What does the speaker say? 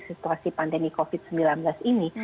situasi pandemi covid sembilan belas ini